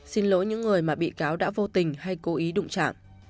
xin lỗi những người mà bị cáo đã vô tình hay cố ý đụng trả